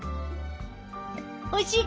おいしい？